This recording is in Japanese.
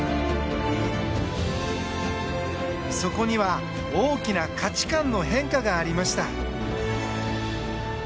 そこには大きな価値観の変化がありました。